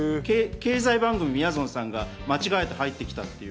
経済番組にみやぞんさんが間違えて入ってきたという。